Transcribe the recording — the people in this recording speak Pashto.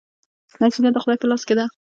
نتیجه د خدای په لاس کې ده؟